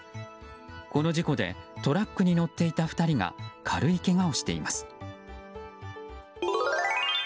この事故でトラックに乗っていた２人が軽いけがをしています。